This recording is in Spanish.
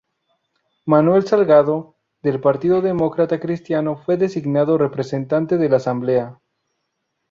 Manuel Salgado, del Partido Demócrata Cristiano fue designado representante de la Asamblea.